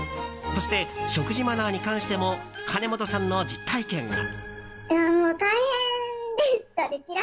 そして、食事マナーに関してもかねもとさんの実体験が。